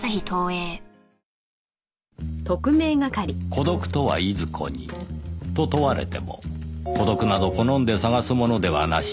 孤独とはいずこに？と問われても孤独など好んで探すものではなし